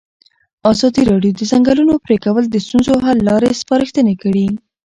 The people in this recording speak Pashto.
ازادي راډیو د د ځنګلونو پرېکول د ستونزو حل لارې سپارښتنې کړي.